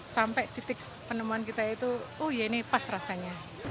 sampai titik penemuan kita itu oh ya ini pas rasanya